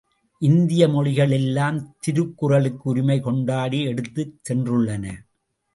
இந்திய மொழிகள் எல்லாம் திருக்குறளுக்கு உரிமை கொண்டாடி எடுத்துச் சென்றுள்ளன.